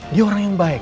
dia orang yang baik